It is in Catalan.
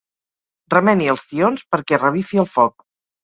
Remeni els tions perquè revifi el foc.